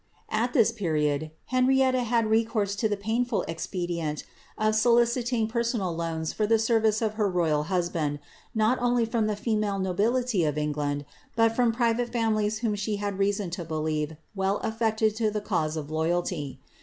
^ kt this period, Henrietta had recourse to the painful expedient of so* ing personal loans for the service of her royal husband, not only a the female nobility of England, but from private fiimilies whom she msoQ to believe well afibcted to the cause of lojralty.